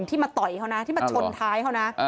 มาต่อยเขานะที่มาชนท้ายเขานะ